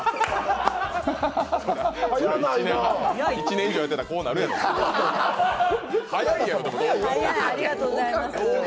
１年以上やってたら、こうなるやろ。